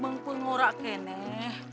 mengkul ngorak ke nek